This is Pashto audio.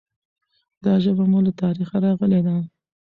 دا ژبه مو له تاریخه راغلي ده.